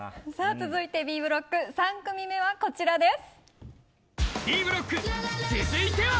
続いてＢブロック３組目はこちらです。